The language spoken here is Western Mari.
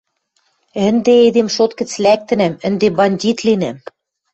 «Ӹнде эдем шот гӹц лӓктӹнӓм, ӹнде бандит линӓм».